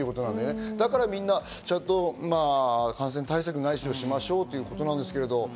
だから、みんなちゃんと感染対策ないしをしましょうということですけど。